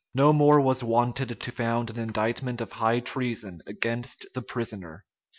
No more was wanted to found an indictment of high treason against the prisoner.